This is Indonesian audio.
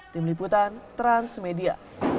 tim liputan transmedia